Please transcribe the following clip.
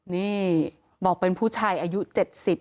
นี่บอกเป็นผู้ชายอายุ๗๐